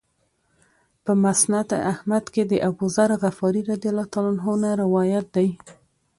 په مسند احمد کې د أبوذر غفاري رضی الله عنه نه روایت دی.